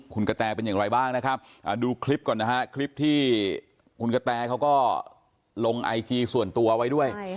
คุณกะแตเป็นอย่างไรบ้างนะครับดูคลิปก่อนนะฮะคลิปที่คุณกะแตเขาก็ลงไอจีส่วนตัวไว้ด้วย